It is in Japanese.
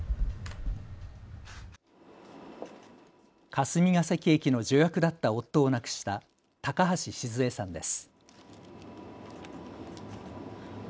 霞ケ関駅の助役だった夫を亡くした高橋シズヱさんです。